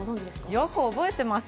よく覚えてます。